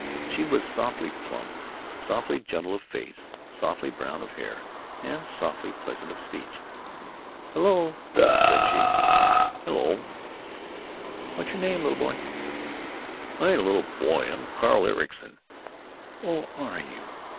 She was softly plump, softly gentle of face, softly brown of hair, and softly pleasant of speech. "Hello!" said she. "H'lo!" "What's your name, little boy?" "Ain't a little boy. I'm Carl Ericson." "Oh, are you?